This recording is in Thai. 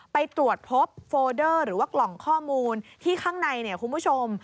ไปตรวจพบโฟเดอร์หรือว่ากล่องข้อมูลที่ข้างในเนี่ยคุณผู้ชม